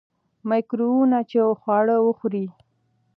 مایکروویو کې خواړه وښوروئ.